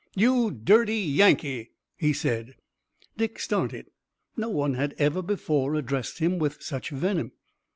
"You dirty Yankee!" he said. Dick started. No one had ever before addressed him with such venom.